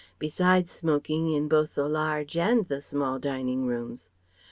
besides smoking in both the large and the small dining rooms.